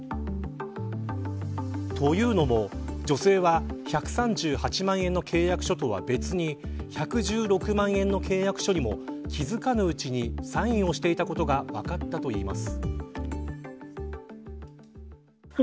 というのも、女性は１３８万円の契約書とは別に１１６万円の契約書にも気付かぬうちにサインをしていたことが分かったといいます。